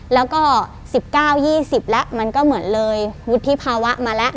แล้วก็๑๙๒๐แล้วมันก็เหมือนเลยวุฒิภาวะมาแล้ว